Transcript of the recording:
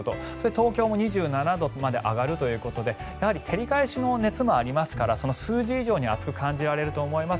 東京も２７度まで上がるということで照り返しの熱もありますのでその数字以上に暑く感じられると思います。